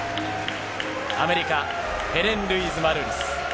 アメリカ、ヘレンルイーズ・マルーリス。